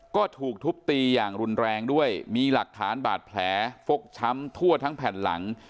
ก็ถูกทุบตีอย่างรุนแรงด้วยมีหลักฐานบาดแผลฟกช้ำทั่วทั้งแผ่นหลัง